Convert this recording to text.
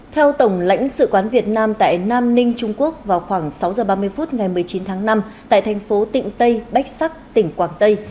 theo tổng lãnh sự quán việt nam tại nam ninh trung quốc vào khoảng sáu h ba mươi phút ngày một mươi chín tháng năm tại thành phố tịnh tây bách sắc tỉnh quảng tây